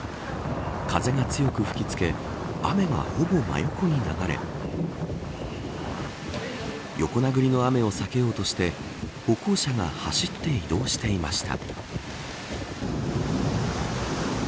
風が強く吹き付け雨がほぼ真横に流れ横殴りの雨を避けようとして歩行者が走って移動していました。